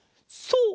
そう！